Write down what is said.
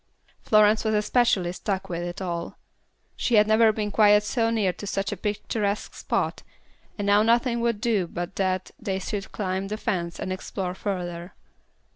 Florence was especially struck with it all. She had never been quite so near to such a picturesque spot, and now nothing would do but that they should climb the fence and explore further.